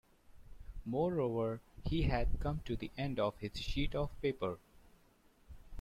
Moreover, he had come to the end of his sheet of paper.